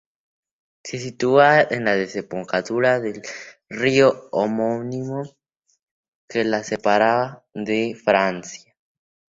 Se sitúa en la desembocadura del río homónimo, que la separa de Francia.